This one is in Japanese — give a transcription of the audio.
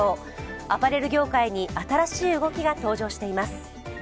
アパレル業界に新しい動きが登場しています。